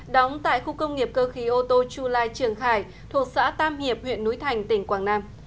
đóng tại khu công nghiệp cơ khí ô tô chulai trường hải thuộc xã tam hiệp huyện núi thành tỉnh quảng nam